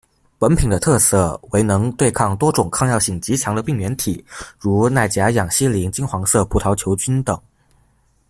本品的特色为能对抗多种抗药性极强的病原体，如耐甲氧西林金黄色葡萄球菌等。